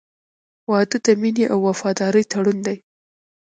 • واده د مینې او وفادارۍ تړون دی.